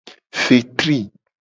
Fetri.